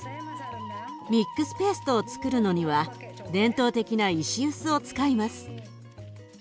ミックスペーストをつくるのには伝統的な石臼を使います。